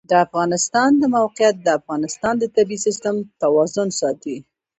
د افغانستان د موقعیت د افغانستان د طبعي سیسټم توازن ساتي.